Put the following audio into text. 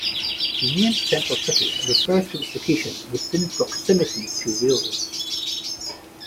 The name Central City refers to its location within proximity to railroads.